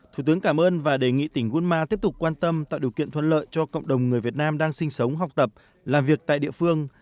thủ tướng cảm ơn và đề nghị tỉnh gunma tiếp tục quan tâm tạo điều kiện thuận lợi cho cộng đồng người việt nam đang sinh sống học tập làm việc tại địa phương